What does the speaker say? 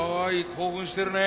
興奮してるね。